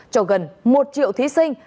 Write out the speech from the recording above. cho gần một triệu thí sinh